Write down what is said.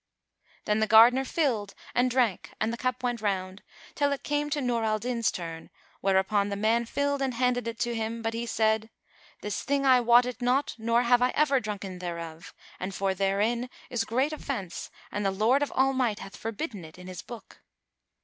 "[FN#418] Then the gardener filled and drank and the cup went round, till it came to Nur al Din's turn, whereupon the man filled and handed it to him; but he said, "This thing I wot it not nor have I ever drunken thereof, for therein is great offence and the Lord of All might hath forbidden it in His Book."